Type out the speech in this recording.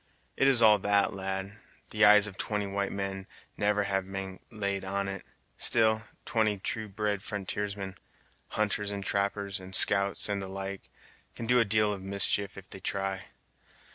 "It's all that, lad, the eyes of twenty white men never having been laid on it; still, twenty true bred frontiersmen hunters and trappers, and scouts, and the like, can do a deal of mischief if they try.